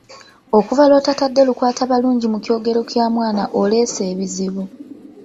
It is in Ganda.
Okuva lw’otatadde lukwatabalungi mu kyogero kya mwana oleese ebizibu.